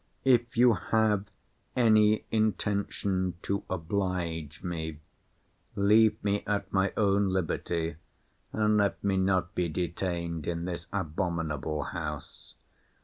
If you have any intention to oblige me, leave me at my own liberty, and let me not be detained in this abominable house.